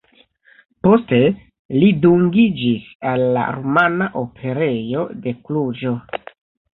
Poste li dungiĝis al la Rumana Operejo de Kluĵo.